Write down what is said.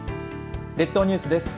列島ニュースです。